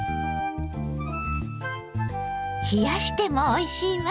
冷やしてもおいしいわ。